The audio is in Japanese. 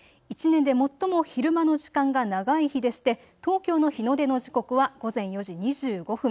１年で最も昼間の時間が長い日でして東京の日の出の時刻は午前４時２５分。